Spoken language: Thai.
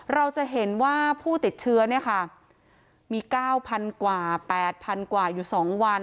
เราจะเห็นว่าผู้ติดเชื้อเนี้ยค่ะมีเก้าพันกว่าแปดพันกว่าอยู่สองวัน